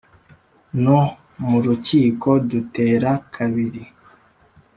no mu rukiko dutera kabiri.